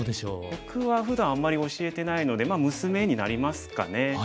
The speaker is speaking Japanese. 僕はふだんあんまり教えてないので娘になりますかね。